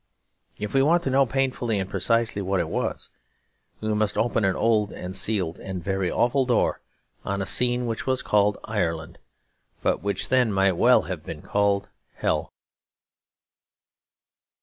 If we want to know painfully and precisely what it was, we must open an old and sealed and very awful door, on a scene which was called Ireland, but which then might well have been called hell.